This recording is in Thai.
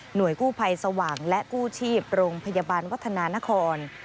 กู้ภัยสว่างและกู้ชีพโรงพยาบาลวัฒนานคร